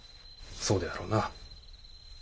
そうであろうな。